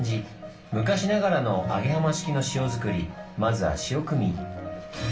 昔ながらの揚浜式の塩作りまずは潮汲み。